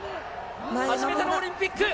初めてのオリンピック。